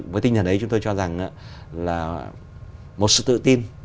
với tin nhận đấy chúng tôi cho rằng là một sự tự tin